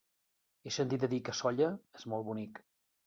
He sentit a dir que Sóller és molt bonic.